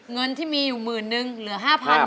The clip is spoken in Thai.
เงินที่มีอยู่หมื่นนึงเหลือ๕๐๐บาท